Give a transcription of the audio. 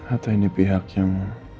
atau ini pihak yang